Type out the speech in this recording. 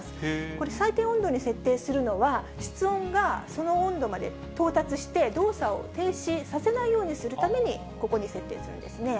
これ、最低温度に設定するのは、室温がその温度まで到達して動作を停止させないようにするために、ここに設定するんですね。